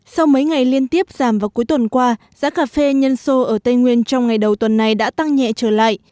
sau mấy ngày liên tiếp giảm vào cuối tuần qua giá cà phê nhân sô ở tây nguyên trong ngày đầu tuần này đã tăng nhẹ trở lại